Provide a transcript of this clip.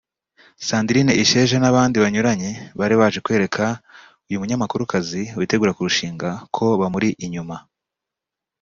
Sandrine Isheja n'abandi banyuranye bari baje kwereka uyu munyamakurukazi witegura kurushinga ko bamuri inyuma